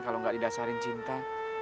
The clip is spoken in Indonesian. kalau nggak didasarin cinta